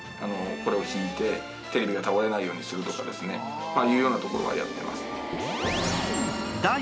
テレビが倒れないようにするとかですね。というようなところはやってます。